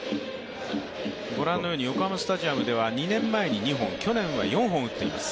横浜スタジアムでは２年前に２本、去年は４本打っています。